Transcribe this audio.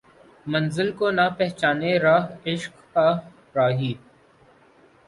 منزل کو نہ پہچانے رہ عشق کا راہی